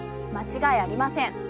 間違いありません。